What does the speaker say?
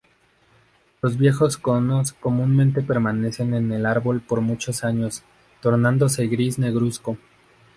Los viejos conos comúnmente permanecen en el árbol por muchos años, tornándose gris negruzco.